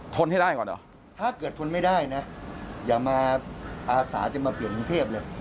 นให้ได้ก่อนเหรอถ้าเกิดทนไม่ได้นะอย่ามาอาสาจะมาเปลี่ยนกรุงเทพเลย